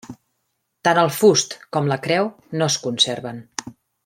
Tant el fust com la creu no es conserven.